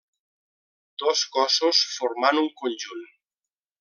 Dos cossos formant un conjunt: